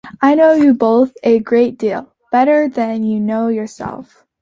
I know you both a great deal better than you know yourselves.